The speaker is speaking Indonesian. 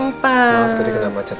maaf tadi kena macet